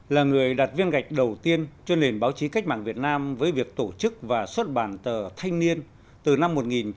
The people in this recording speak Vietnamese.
là người đặt viên gạch đầu tiên cho nền báo chí cách mạng việt nam với việc tổ chức và xuất bản tờ thanh niên từ năm một nghìn chín trăm bốn mươi